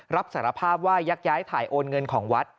รับสารภาพว่ายักย้ายถ่ายโอนเงินของวัด